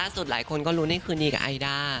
สุดหลายคนก็รู้ในคืนนี้กับไอด้า